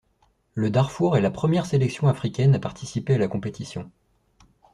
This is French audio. Le Darfour est la première sélection africaine à participer à la compétition.